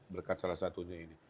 berkat salah satunya ini